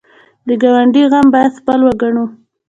د ګاونډي غم باید خپل وګڼو